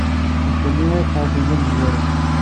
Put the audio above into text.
D Sami ay iqersen d amezwaru.